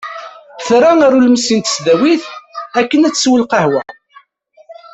Terra ɣer ulmessi n tesdawit akken ad tessew lqahwa.